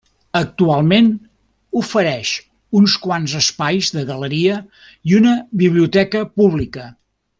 Actualment ofereix uns quants espais de galeria i una biblioteca pública.